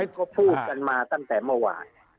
เขาพูดกันมาตั้งแต่เมื่อวาน